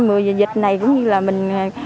mùa dịch này cũng như là mình